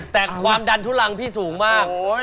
แต่ความดันทุลังพี่สูงมาก